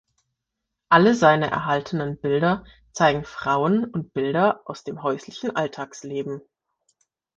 Alle seine erhaltenen Bilder zeigen Frauen und Bilder aus dem häuslichen Alltagsleben.